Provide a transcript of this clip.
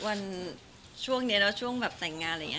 วันช่วงนี้แล้วช่วงแบบแต่งงานอะไรอย่างนี้